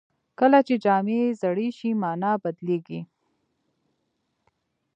کله چې جامې زاړه شي، مانا بدلېږي.